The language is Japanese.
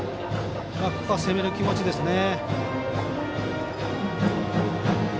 ここは攻める気持ちですね。